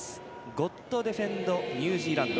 「ゴッド・ディフェンド・ニュージーランド」